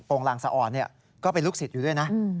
งลางสะอ่อนก็เป็นลูกศิษย์อยู่ด้วยนะ